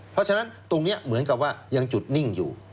เพราะฉะนั้นตรงนี้เหมือนกับว่ายังจุดนิ่งอยู่